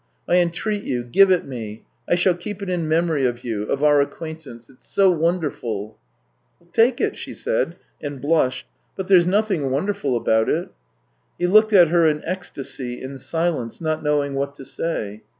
" I entreat you, give it me. I shall keep it in memory of you ... of our acquaintance. It's so wonderful !"" Take it," she said, and blushed; " but there's nothing wonderful about it." He looked at her in ecstasy, in silence, not know ing what to say.